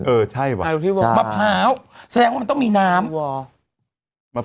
มะพร้าวแสดงว่ามันต้องมีน้ำ